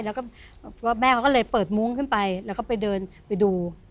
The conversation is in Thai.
แล้วก็แม่เขาก็เลยเปิดมุ้งขึ้นไปแล้วก็ไปเดินไปดู